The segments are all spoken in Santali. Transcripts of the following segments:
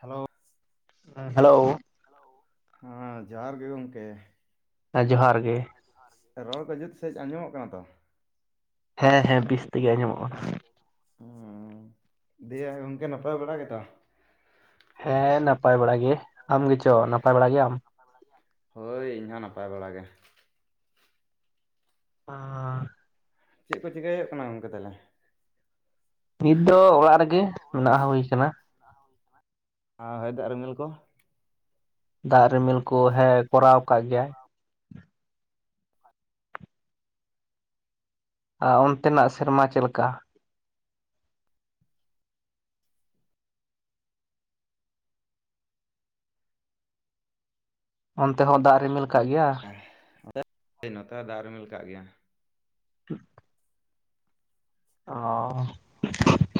ᱦᱮᱞᱳ, ᱦᱮ ᱦᱮᱞᱳ, ᱦᱮᱞᱳ, ᱦᱩᱸ ᱡᱚᱦᱟᱨ ᱜᱮ ᱜᱚᱝᱠᱮ ᱾ ᱦᱮᱸ ᱡᱚᱦᱟᱨ ᱜᱮ ᱾ ᱟᱨ ᱨᱚᱲ ᱠᱚ ᱡᱩᱛ ᱥᱮᱦᱤᱡ ᱟᱸᱡᱚᱢᱚᱜ ᱠᱟᱱᱟ ᱛᱚ? ᱦᱮᱸ ᱦᱮᱸ ᱵᱤᱥ ᱦᱮᱸ ᱦᱮᱸ ᱵᱮᱥ ᱛᱮᱜᱮ ᱟᱡᱚᱢᱚᱜ ᱠᱟᱱᱟ, ᱩ ᱫᱤᱭᱮ ᱜᱚᱝᱠᱮ ᱱᱟᱯᱟᱭ ᱵᱟᱲᱟ ᱜᱮᱛᱚ? ᱦᱮᱸ ᱱᱟᱯᱟᱭ ᱵᱟᱲᱟ ᱜᱮ, ᱟᱢ ᱜᱮᱪᱚ ᱱᱟᱯᱟᱭ ᱵᱟᱲᱟ ᱜᱮᱭᱟᱢ ᱾ ᱦᱳᱭ ᱤᱧᱦᱚᱸ ᱱᱟᱯᱟᱭ ᱵᱟᱲᱟ ᱜᱮ ᱾ ᱚᱻ ᱪᱮᱫ ᱠᱚ ᱪᱤᱠᱟᱹᱭᱚᱜ ᱠᱟᱱᱟ ᱜᱚᱝᱠᱮ ᱛᱟᱦᱟᱞᱮ? ᱱᱤᱛ ᱫᱚ ᱚᱲᱟᱜ ᱨᱮᱜᱮ ᱢᱮᱱᱟᱜ ᱦᱚ ᱦᱩᱭ ᱠᱟᱱᱟ ᱾ ᱟᱨ ᱦᱚᱭ ᱫᱟᱜ ᱨᱤᱢᱤᱞ ᱠᱚᱸ? ᱫᱟᱜ ᱨᱤᱢᱤᱞ ᱠᱚ ᱦᱮᱸ ᱠᱚᱨᱟᱣ ᱟᱠᱟᱫ ᱜᱮᱭᱟᱭ ᱾ ᱟ ᱚᱱᱛᱮᱱᱟᱜ ᱥᱮᱨᱢᱟ ᱪᱮᱫ ᱞᱮᱠᱟ? ᱚᱱᱛᱮ ᱦᱚᱸ ᱫᱟᱜ ᱨᱤᱢᱤᱞ ᱠᱟᱜ ᱜᱮᱭᱟ? [unintelligible] ᱱᱚᱛᱮ ᱦᱚᱭ ᱫᱟᱜ ᱨᱤᱢᱤᱞ ᱠᱟᱜ ᱜᱮᱭᱟ ᱾ ᱴᱷᱤᱠ ᱚᱻ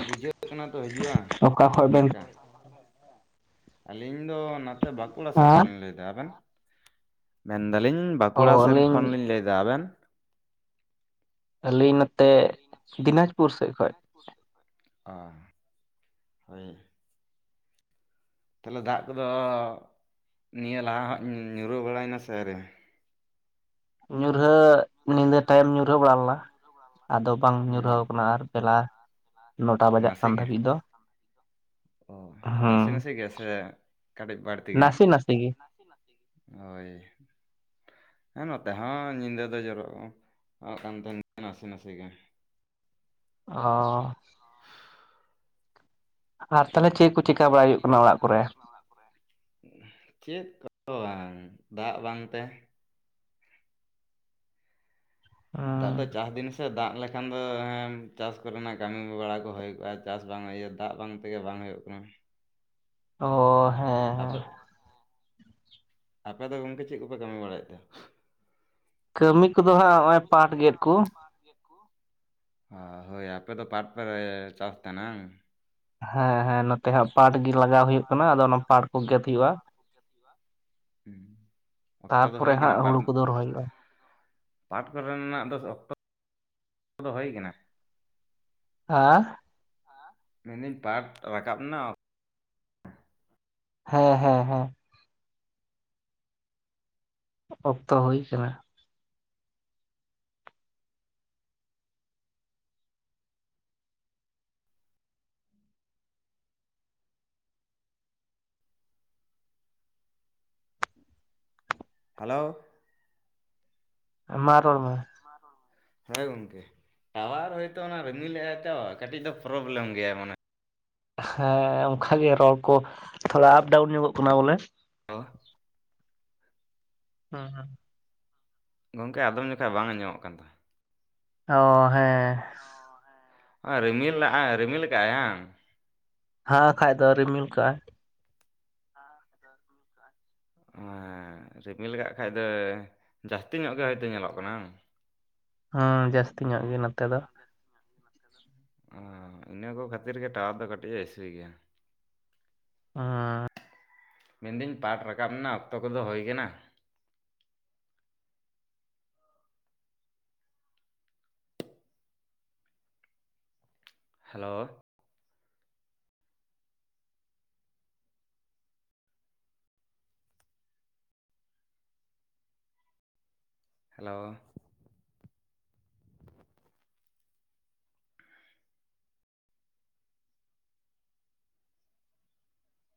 ᱵᱩᱡᱷᱟᱹᱜ ᱠᱟᱱᱟ ᱛᱚ ᱦᱤᱡᱩᱜᱼᱟ ᱚᱠᱟ ᱠᱷᱚᱡ ᱵᱮᱱ [unintelligible] ᱟᱹᱞᱤᱧ ᱫᱚ ᱱᱚᱛᱮ ᱵᱟᱸᱠᱩᱲᱟ ᱥᱮᱫ ᱠᱷᱚᱱ ᱞᱤᱧ ᱞᱟᱹᱭᱫᱟ, ᱟᱵᱮᱱ? ᱢᱮᱱᱫᱟᱞᱤᱧ ᱚ ᱵᱟᱸᱠᱩᱲᱟ ᱥᱮᱱ ᱟᱹᱞᱤᱧ ᱠᱷᱚᱱᱞᱤᱧ ᱞᱟᱹᱭᱮᱫᱟ, ᱟᱵᱮᱱ? ᱟᱹᱞᱤᱧ ᱱᱚᱛᱮ ᱫᱤᱱᱟᱡᱽᱯᱩᱨ ᱥᱮᱜ ᱠᱷᱚᱡ ᱾ ᱯᱩᱨ ᱥᱮᱫ ᱠᱷᱚᱡ ᱚ ᱦᱳᱭ ᱾ ᱛᱟᱦᱚᱞᱮ ᱫᱟᱜ ᱠᱚᱫᱚ ᱱᱤᱭᱟᱹ ᱞᱟᱦᱟ ᱦᱟᱜ ᱧᱩᱨᱟᱹ ᱵᱟᱲᱟᱭ ᱱᱟ ᱥᱮ ᱟᱹᱣᱨᱤ? ᱧᱩᱨᱦᱟᱹ ᱧᱤᱫᱟᱹ ᱴᱟᱭᱤᱢ ᱧᱩᱨᱦᱟᱹ ᱵᱟᱲᱟ ᱞᱮᱱᱟ ᱟᱫᱚ ᱵᱟᱝ ᱧᱩᱨᱦᱟᱹᱣ ᱦᱩᱸ ᱠᱟᱱᱟ ᱟᱨ ᱾ ᱛᱮᱞᱟ ᱱᱚᱴᱟ ᱵᱟᱡᱟᱜ ᱱᱟᱥᱮ ᱠᱟᱱ ᱜᱮ ᱫᱷᱟᱹᱵᱤᱡ ᱫᱚ ᱾ ᱚ ᱱᱟᱥᱮ ᱱᱟᱥᱮ ᱜᱮ ᱥᱮ ᱠᱟᱹᱴᱤᱡ ᱵᱟᱹᱲᱛᱤ ᱜᱮ? ᱱᱟᱥᱮ ᱱᱟᱥᱮ ᱜᱮ ᱱᱟᱥᱤ ᱱᱟᱥᱤ ᱜᱤ ᱾ ᱦᱳᱭ ᱾ ᱦᱮᱸ ᱱᱚᱛᱮ ᱦᱚᱸ ᱧᱤᱫᱟᱹ ᱫᱚ ᱡᱚᱨᱚᱜ ᱠᱟᱱ ᱛᱟᱦᱮᱱ ᱱᱟᱥᱮ ᱱᱟᱥᱮ ᱜᱮ ᱾ ᱚᱻ [inaudible] ᱟᱨ ᱛᱚᱞᱦᱮ ᱪᱮᱫ ᱟᱨ ᱪᱮᱠᱟ ᱵᱟᱲᱟᱭ ᱛᱟᱦᱚᱞᱮ ᱦᱩᱭᱩᱜ ᱪᱮᱫ ᱠᱚ ᱠᱟᱱᱟ ᱚᱲᱟᱜ ᱪᱮᱠᱟ ᱠᱚᱨᱮ? ᱦᱩᱭᱩᱜ ᱠᱟᱱᱟ ᱚᱲᱟᱜ ᱠᱚᱨᱮ? ᱪᱮᱫ ᱠᱚ ᱵᱟᱝ ᱫᱟᱜ ᱵᱟᱝ ᱛᱮ ᱾ ᱦᱩᱸ ᱮᱠᱷᱟᱱ ᱫᱚ ᱦᱮ ᱪᱟᱥ ᱠᱚᱨᱮᱱᱟᱜ ᱠᱟᱹᱢᱤ ᱵᱟᱲᱟ ᱠᱚ ᱦᱩᱭ ᱠᱚᱜᱼᱟ ᱪᱟᱥ ᱵᱟᱝ ᱤᱭᱟᱹ ᱫᱟᱜ ᱵᱟᱝ ᱛᱮᱜᱮ ᱵᱟᱝ ᱦᱩᱭᱩᱜ ᱠᱟᱱᱟ ᱾ ᱚᱸ ᱚ ᱦᱮᱸ ᱾ ᱟᱯᱮ ᱟᱯᱮ ᱫᱚ ᱜᱚᱝᱠᱮ ᱪᱮᱫ ᱠᱚᱯᱮ ᱠᱟᱹᱢᱤ ᱵᱟᱲᱟᱭᱮᱫ ᱛᱮ? ᱠᱟᱹᱢᱤ ᱠᱚᱫᱚ ᱦᱟᱸᱜ ᱱᱚᱜᱼᱚᱭ ᱯᱟᱴᱷ ᱜᱮᱫ ᱠᱩ᱾ ᱯᱟᱴᱷ ᱜᱮᱜ ᱠᱩ, ᱚ ᱦᱳᱭ ᱟᱯᱮᱫᱚ ᱯᱟᱴᱷ ᱯᱮ ᱪᱟᱥ ᱛᱟᱦᱮᱱᱟ ᱦᱟᱝ? ᱦᱮᱸ ᱦᱮᱸ ᱱᱚᱛᱮ ᱦᱟᱸᱜ ᱯᱟᱴᱷ ᱜᱮ ᱞᱟᱜᱟᱣ ᱦᱩᱭᱩᱜ ᱠᱟᱱᱟ ᱟᱫᱚ ᱚᱱᱟ ᱯᱟᱴ ᱠᱚ ᱜᱮᱫ ᱦᱩᱭᱩᱜᱼᱟ᱾ ᱦᱩᱸ ᱚᱠᱛᱚ ᱫᱚ ᱛᱟᱨᱯᱚᱨᱮ ᱦᱩᱭ ᱠᱟᱱᱟ ᱦᱟᱸᱜ ᱦᱩᱲᱩ ᱯᱟᱴᱷ ᱠᱚᱫᱚ ᱨᱮᱭᱟᱜ? ᱨᱚᱦᱚᱭ ᱦᱩᱭᱩᱜᱼᱟ ᱯᱟᱴ ᱠᱚᱨᱮᱱᱟᱜ ᱫᱚ ᱚᱠᱛᱚ ᱫᱚ ᱦᱩᱭ ᱠᱟᱱᱟ? ᱦᱟ, ᱢᱮᱱᱫᱟᱹᱧ ᱯᱟᱴ ᱨᱟᱠᱟᱵ ᱮᱱᱟ? ᱦᱮᱸ ᱦᱮᱸ ᱦᱮᱸ, ᱚᱠᱛᱚ ᱦᱩᱭ ᱟᱠᱟᱱᱟ, ᱦᱮᱞᱳ, ᱢᱟ ᱨᱚᱲ ᱢᱮ? ᱦᱮᱸ ᱜᱚᱝᱠᱮ, ᱴᱟᱣᱟᱨ ᱦᱚᱳᱭᱛᱚ ᱚᱱᱟ ᱨᱤᱢᱤᱞ ᱞᱮᱜᱟᱭ ᱛᱚ ᱠᱟᱹᱴᱤᱡ ᱫᱚ ᱯᱨᱚᱵᱞᱮᱢ ᱜᱮᱭᱟᱭ ᱢᱟᱱᱮ ᱦᱮᱸ ᱚᱱᱠᱟᱷᱟᱜᱮ ᱨᱚᱲ ᱠᱚ ᱛᱷᱚᱲᱟ ᱟᱯ ᱰᱟᱣᱩᱱ ᱧᱚᱜᱚᱜ ᱠᱟᱱᱟ ᱵᱚᱞᱮ, ᱳ, ᱦᱩᱸ ᱦᱩᱸ ᱜᱚᱢᱠᱮ ᱟᱫᱚᱢ ᱡᱚᱠᱷᱚᱱ ᱵᱟᱝ ᱟᱸᱚᱢᱚᱜ ᱠᱟᱱ ᱛᱟᱦᱮᱸ, ᱚ ᱦᱮᱸ, ᱨᱤᱢᱤᱞ ᱞᱟᱜᱟᱣ ᱨᱤᱢᱤᱞ ᱠᱟᱜᱼ ᱟᱭ ᱦᱟᱝ? ᱦᱟᱸ ᱠᱷᱟᱭ ᱫᱚ ᱨᱤᱢᱤᱞ ᱠᱟᱜᱼᱟ᱾ ᱦᱮᱸ ᱱᱚᱛᱮ ᱫᱚ ᱨᱤᱢᱤᱞ ᱠᱟᱜᱼᱟ ᱨᱤᱢᱤᱞ ᱠᱟᱜ ᱠᱷᱟᱡ ᱫᱚ ᱡᱟᱹᱥᱛᱤ ᱧᱚᱜ ᱜᱮ ᱦᱳᱭᱛᱳ ᱧᱮᱞᱚᱜ ᱠᱟᱱᱟ? ᱦᱮᱸ ᱡᱟᱹᱥᱛᱤ ᱧᱚᱜ ᱜᱮ ᱱᱚᱛᱮ ᱫᱚ, ᱡᱟᱹᱥᱛᱤ ᱧᱟᱜ ᱜᱮ ᱱᱚᱛᱮ ᱫᱚ, ᱾ ᱚ ᱤᱱᱟᱹ ᱠᱚ ᱠᱷᱟᱹᱛᱤᱨ ᱜᱮ ᱴᱟᱣᱟᱨ ᱫᱚ ᱠᱟᱹᱴᱤᱡ ᱮ ᱤᱥᱩᱭ ᱜᱮᱭᱟ᱾ ᱦᱮᱸ ᱢᱮᱱᱫᱟᱹᱧ ᱯᱟᱴᱷ ᱨᱟᱠᱟᱵ ᱨᱮᱱᱟᱜ ᱚᱠᱛᱚ ᱠᱚᱫᱚ ᱦᱩᱭ ᱠᱟᱱᱟ? Hello, hello,